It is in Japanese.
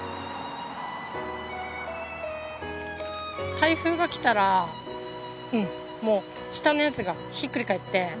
台風が来たらもう下のやつがひっくり返って流れ着くから。